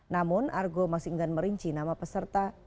namun argo masih tidak merinci nama peserta banjarnegara